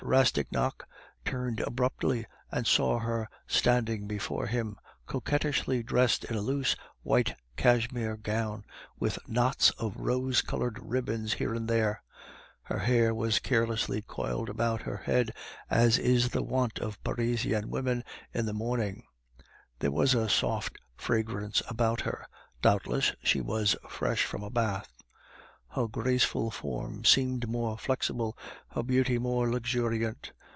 Rastignac turned abruptly and saw her standing before him, coquettishly dressed in a loose white cashmere gown with knots of rose colored ribbon here and there; her hair was carelessly coiled about her head, as is the wont of Parisian women in the morning; there was a soft fragrance about her doubtless she was fresh from a bath; her graceful form seemed more flexible, her beauty more luxuriant.